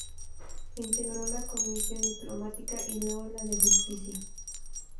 Integró la comisión diplomática y luego la de Justicia.